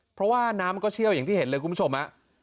เพราะว่าน้ำก็เชี่ยวอย่างที่เห็นเลยคุณผู้ชม